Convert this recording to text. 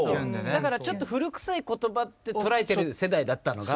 だからちょっと古くさい言葉って捉えてる世代だったのが。